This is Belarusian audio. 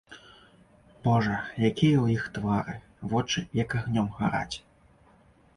Божа, якія ў іх твары, вочы як агнём гараць.